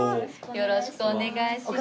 よろしくお願いします。